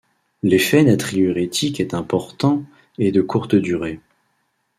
L'effet natriurétique est important et de courte durée.